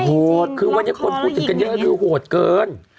โหดคือวันนี้คนพูดถึงกันเยอะคือโหดเกิน